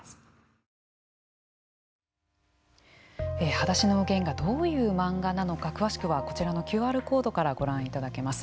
「はだしのゲン」がどういう漫画なのか詳しくはこちらのＱＲコードからご覧いただけます。